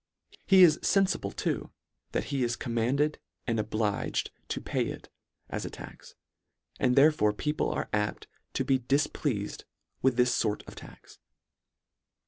He is fenfible too that he is commanded and obliged to pay it as a tax ; and therefore people are apt to be dif pleafed with this fort of tax.